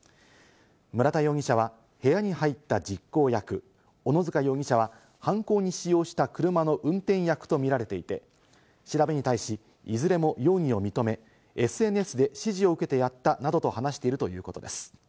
村田容疑者は部屋に入った実行役、小野塚容疑者は犯行に使用した車の運転役と見られていて、調べに対し、いずれも容疑を認め、ＳＮＳで指示を受けてやったなどと話しているということです。